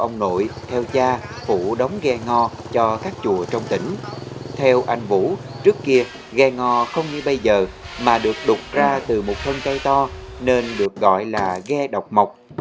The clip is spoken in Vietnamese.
ghe ngò không như bây giờ mà được đục ra từ một thân cây to nên được gọi là ghe độc mộc